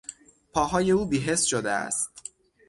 پاهای او بیحس شده است.